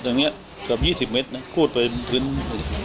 เนี่ยเนี่ยเท่ามีสิบเมตรนะคูดไปทึนนี่